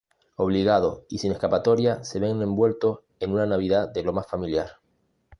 Obligados y sin escapatoria se ven envueltos en una Navidad de lo más familiar.